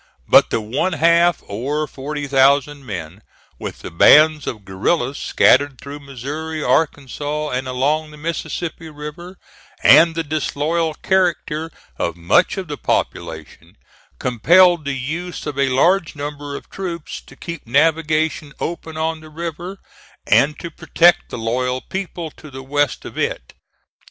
But the one half, or forty thousand men, with the bands of guerillas scattered through Missouri, Arkansas, and along the Mississippi River, and the disloyal character of much of the population, compelled the use of a large number of troops to keep navigation open on the river, and to protect the loyal people to the west of it.